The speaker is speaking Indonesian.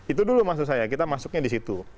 itu dulu maksud saya kita masuknya disitu